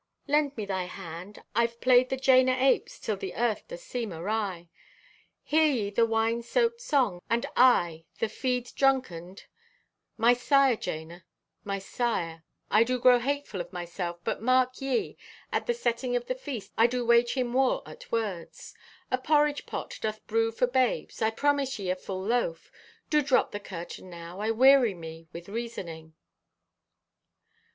Lend me thy hand. I've played the jane o apes till the earth doth seem awry. "Hear ye the wine soaked song, and aye, the feed drunkened? My sire, Jana, my sire! I do grow hateful of myself, but mark ye, at the setting o' the feast I do wage him war at words! A porridge pot doth brew for babes; I promise ye a full loaf. Do drop the curtain now, I weary me with reasoning."